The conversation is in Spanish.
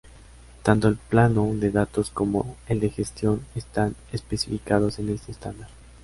Tanto el plano de datos como el de gestión, están especificados en este estándar.